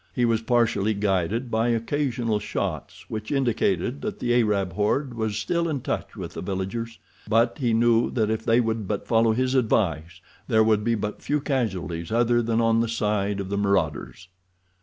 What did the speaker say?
He was partially guided by occasional shots which indicated that the Arab horde was still in touch with the villagers; but he knew that if they would but follow his advice there would be but few casualties other than on the side of the marauders.